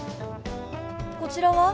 こちらは？